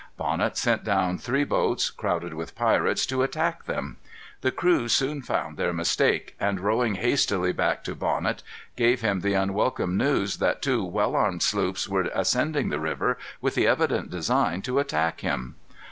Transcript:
Bonnet sent down three boats, crowded with pirates, to attack them. The crews soon found their mistake, and rowing hastily back to Bonnet, gave him the unwelcome news that two well armed sloops were ascending the river with the evident design to attack him.